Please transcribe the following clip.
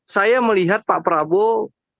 saya melihat pak prabowo